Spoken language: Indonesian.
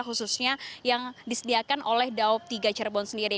khususnya yang disediakan oleh daob tiga cirebon sendiri